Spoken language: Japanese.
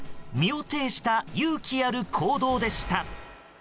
身を挺した勇気ある行動でした。